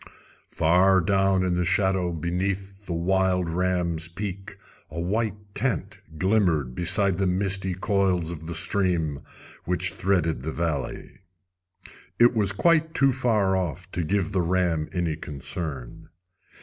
Far down in the shadow beneath the wild ram's peak a white tent glimmered beside the misty coils of the stream which threaded the valley. It was quite too far off to give the ram any concern.